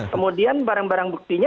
kemudian barang barang buktinya